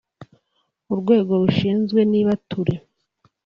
urwego rushinzwe nibature